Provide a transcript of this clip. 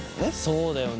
そうだよな。